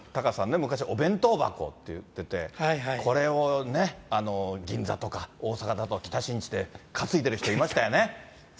弁当箱って言って、これを銀座とか大阪だと北新地で担いでる人いましたよね。